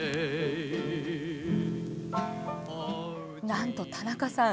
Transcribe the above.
なんと田中さん